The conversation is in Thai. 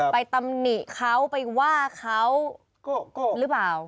ตำหนิเขาไปว่าเขาโกะหรือเปล่า